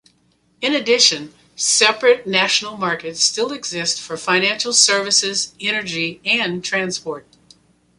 In addition separate national markets still exist for financial services, energy and transport.